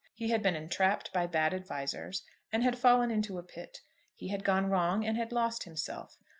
He had been entrapped by bad advisers, and had fallen into a pit. He had gone wrong, and had lost himself.